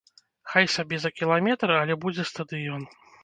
Хай сабе за кіламетр, але будзе стадыён.